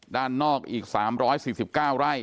ด้านนอกอีก๓๔๙ไร่